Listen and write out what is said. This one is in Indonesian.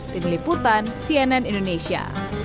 tim liputan cnn indonesia